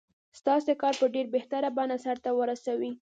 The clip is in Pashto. ستاسې کار په ډېره بهتره بڼه سرته ورسوي.